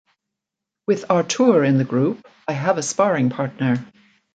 With Artur in the group, I have a sparring partner.